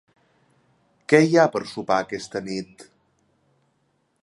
Què hi ha per sopar aquesta nit?